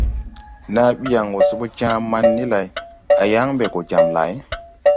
Naa ɓi yaŋ wɔ se ɓɔ Jaaman ni lay, a yaŋ ɓɛ gɔ jam lay?